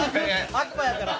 悪魔やから。